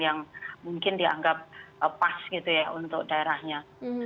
yang mungkin dianggap pas gitu ya untuk daerahnya